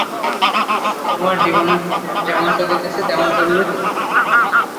তোমার জীবন যেমন চলিতেছে, তেমনি চলিবে তো।